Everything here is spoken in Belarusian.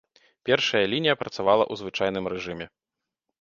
Першая лінія працавала ў звычайным рэжыме.